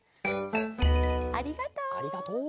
ありがとう。